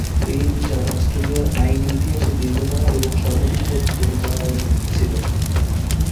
এই বিচার অস্ট্রেলিয়ার আইনী ইতিহাসে দীর্ঘতম এবং সর্বাধিক প্রচারিত বিচার ছিল।